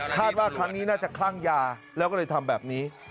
ว่าครั้งนี้น่าจะคลั่งยาแล้วก็เลยทำแบบนี้